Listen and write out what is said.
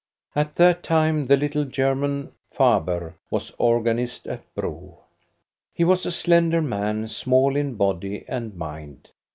At that time the little German, Faber, was organist at Bro. He was a slender man, small in body and mind.